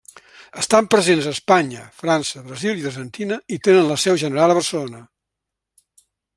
Estan presents a Espanya, França, Brasil i Argentina i tenen la seu general a Barcelona.